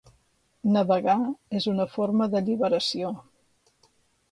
Navegar és una forma d'alliberació